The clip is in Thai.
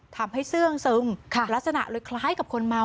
ทำให้ซื้องซึงลักษณะเลยคล้ายกับคนเมา